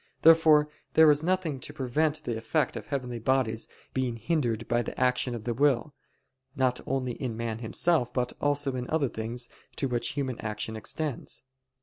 Therefore there is nothing to prevent the effect of heavenly bodies being hindered by the action of the will, not only in man himself, but also in other things to which human action extends.